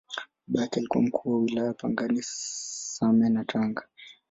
Baba yake alikuwa Mkuu wa Wilaya Pangani, Same na Tanga.